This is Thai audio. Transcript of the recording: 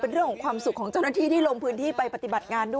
เป็นเรื่องของความสุขของเจ้าหน้าที่ที่ลงพื้นที่ไปปฏิบัติงานด้วย